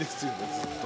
ずっと。